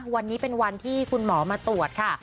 วันนี้เป็นวันที่คุณหมอมาตรวจค่ะ